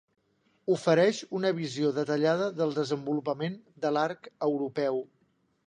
Ofereix una visió detallada del desenvolupament de l'arc europeu.